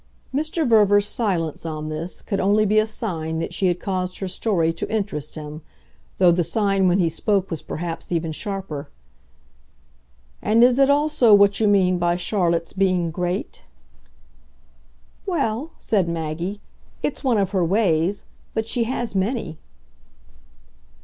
Mr. Verver's silence, on this, could only be a sign that she had caused her story to interest him; though the sign when he spoke was perhaps even sharper. "And is it also what you mean by Charlotte's being 'great'?" "Well," said Maggie, "it's one of her ways. But she has many."